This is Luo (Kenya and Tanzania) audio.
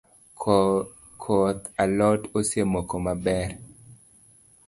Koth alot osemoko maber